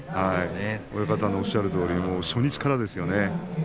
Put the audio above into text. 親方のおっしゃるとおり初日からですよね。